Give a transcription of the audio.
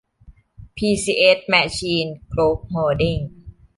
พี ซี เอส แมชีน กรุ๊ปโฮลดิ้ง